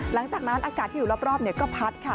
หลังจากนั้นอากาศที่อยู่รอบก็พัดค่ะ